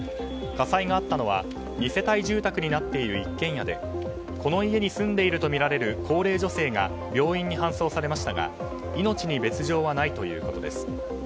火災があったのは２世帯住宅になっている一軒家でこの家に住んでいるとみられる高齢女性が病院に搬送されましたが命に別条はないということです。